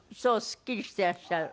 すっきりしていらっしゃる。